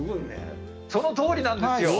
そのとおりなんですよ。